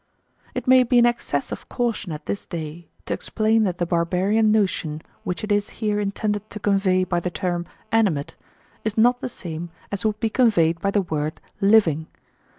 It may be an excess of caution at this day to explain that the barbarian notion which it is here intended to convey by the term "animate" is not the same as would be conveyed by the word "living".